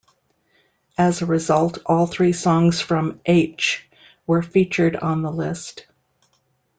As a result, all three songs from "H" were featured on the list.